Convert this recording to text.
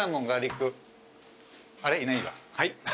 はい。